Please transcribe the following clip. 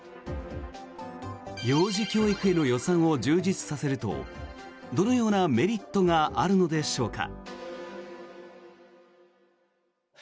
幼児教育への予算を充実させるとどのようなメリットがあるのでしょうか。